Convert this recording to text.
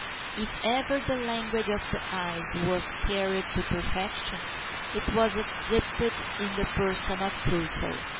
If ever the language of the eyes was carried to perfection, it was exhibited in the person of Crusoe.